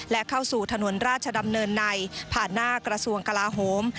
และเข้าสู่ถนนราชดำเนินในผ่านหน้ากระทรวงกลาโหม